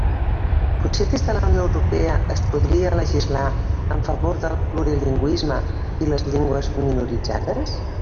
Potser des de la Unió Europea es podria legislar en favor del plurilingüisme i les llengües minoritzades?